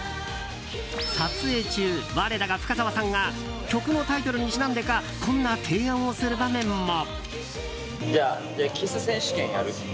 撮影中、我らが深澤さんが曲のタイトルにちなんでかこんな提案をする場面も。